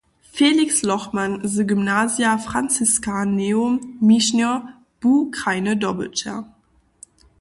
Felix Lochmann z gymnazija Franciskaneum Mišnjo bu krajny dobyćer.